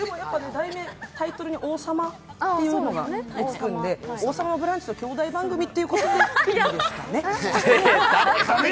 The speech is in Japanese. タイトルに王様というのがつくので、「王様のブランチ」と兄弟番組ということでいいんですかね？